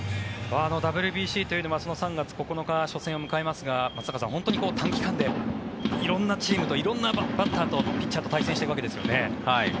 ＷＢＣというのは３月９日に初戦を迎えますが松坂さん、本当に短期間で色んなチームと色んなバッターとピッチャーと対戦していくわけですよね。